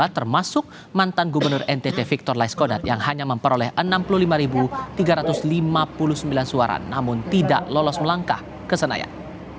termasuk mantan gubernur ntt victor laiskodat yang hanya memperoleh enam puluh lima tiga ratus lima puluh sembilan suara namun tidak lolos melangkah ke senayan